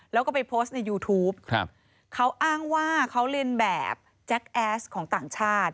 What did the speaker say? แล้วก็ไปโพสต์ในยูทูปครับเขาอ้างว่าเขาเรียนแบบแจ็คแอสของต่างชาติ